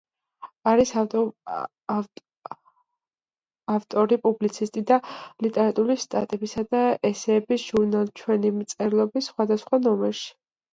არის ავტორი პუბლიცისტური და ლიტერატურული სტატიებისა და ესეებისა ჟურნალ „ჩვენი მწერლობის“ სხვადასხვა ნომერში.